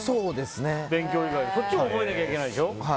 勉強以外で、そっちも覚えなきゃいけないでしょ？